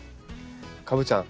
カブちゃん